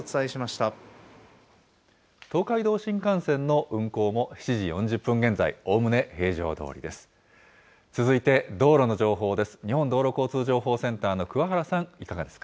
東海道新幹線の運行も７時４０分現在、おおむね平常どおりです。